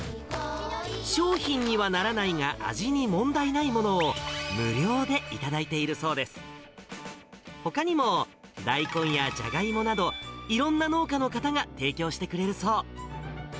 商品にはならないが、味に問題ないものを無料で頂いているそうです。ほかにも、大根やジャガイモなど、いろんな農家の方が提供してくれるそう。